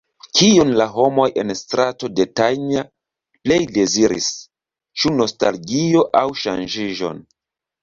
Kion la homoj en Strato de Tanja plej deziris, ĉu nostalgion aŭ ŝanĝiĝon?